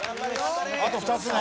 あと２つね。